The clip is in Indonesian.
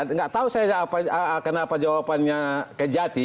tidak tahu saya kenapa jawabannya kejati